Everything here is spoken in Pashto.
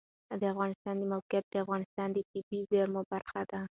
د افغانستان د موقعیت د افغانستان د طبیعي زیرمو برخه ده.